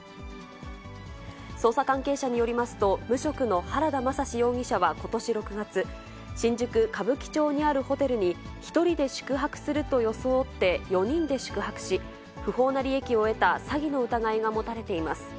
捜査関係者によりますと、無職の原田将容疑者はことし６月、新宿・歌舞伎町にあるホテルに１人で宿泊すると装って４人で宿泊し、不法な利益を得た詐欺の疑いが持たれています。